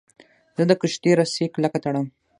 زه د کښتۍ رسۍ کلکه تړم.